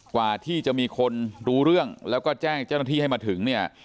กว่าที่จะมีคนรู้เรื่องแล้วก็แจ้งเจ้าหน้าที่ให้มาถึงเนี่ย